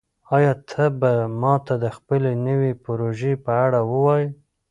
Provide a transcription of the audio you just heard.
آیا ته به ماته د خپلې نوې پروژې په اړه ووایې؟